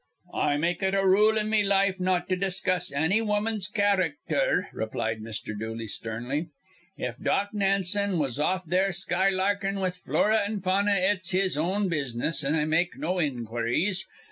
"I make it a rule in me life not to discuss anny woman's charac ter," replied Mr. Dooley, sternly. "If Doc Nansen was off there skylarkin' with Flora an' Fauna, it's his own business, an' I make no inquiries.